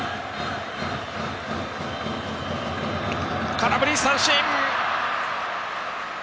空振り三振！